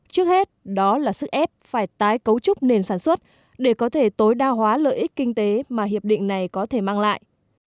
trước hết đó là sức ép phải tái cấu trúc nền sản xuất để có thể tối đa hóa lợi ích kinh tế mà hiệp định này có thể mang lại